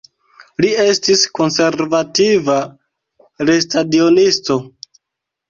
Li estis konservativa lestadionisto.